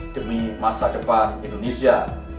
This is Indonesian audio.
demi masa depan indonesia